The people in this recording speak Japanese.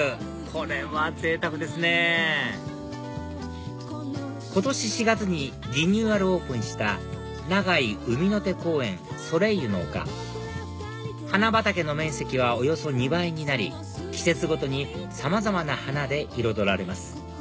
これはぜいたくですね今年４月にリニューアルオープンした長井海の手公園ソレイユの丘花畑の面積はおよそ２倍になり季節ごとにさまざまな花で彩られます